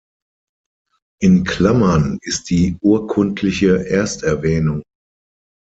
In Klammern ist die urkundliche Ersterwähnung.